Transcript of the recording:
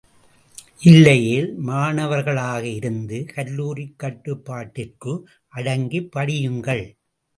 இல்லையேல் மாணவர்களாக இருந்து கல்லூரிக் கட்டுப்பாட்டிற்கு அடங்கி படியுங்கள்.